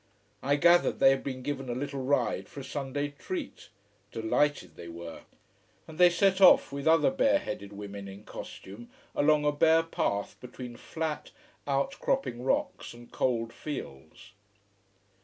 I gathered they had been given a little ride for a Sunday treat. Delighted they were. And they set off, with other bare headed women in costume, along a bare path between flat, out cropping rocks and cold fields.